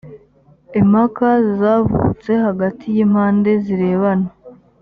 impaka zavutse hagati y impande zirebana